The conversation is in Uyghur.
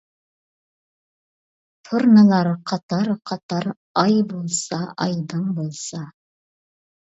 تۇرنىلار قاتار-قاتار، ئاي بولسا، ئايدىڭ بولسا.